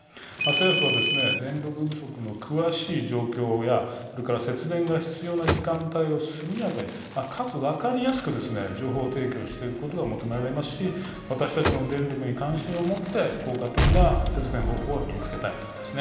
政府は電力不足の詳しい状況やそれから節電が必要な時間帯を速やかに、かつ分かりやすく情報提供していくことが求められますし私たちも電力に関心を持って効果的な節電方法を身につけたいと思います。